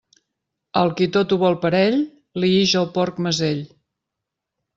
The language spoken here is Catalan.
Al qui tot ho vol per a ell, li ix el porc mesell.